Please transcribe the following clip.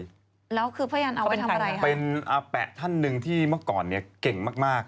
แล้วคือพยานเอาไปทำอะไรเป็นอาแปะท่านหนึ่งที่เมื่อก่อนเนี่ยเก่งมากมาก